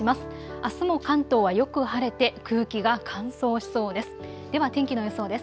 あすも関東はよく晴れて空気が乾燥しそうです。